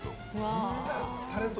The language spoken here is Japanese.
そんなタレント